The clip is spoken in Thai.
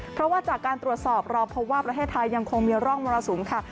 เพราะว่าจากการตรวจสอบเราพบว่าประเทศไทยยังคงมีร่องมรสุมค่ะ